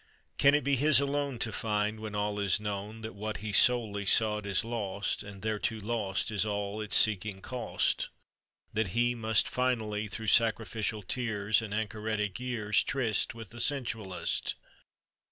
"Can it be his alone, To find, when all is known, That what He solely sought "Is lost, and thereto lost All that its seeking cost? That he Must finally, "Through sacrificial tears, And anchoretic years, Tryst With the sensualist?"